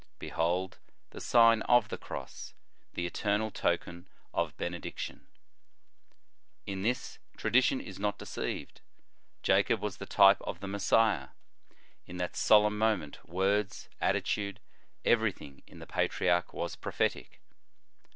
Behold the Sign of the Cross, the eternal token of benediction ! In this, tradition is not deceived. Jacob was the type of the Messiah. In that solemn moment, words, attitude, everything in the patriarch was prophetic.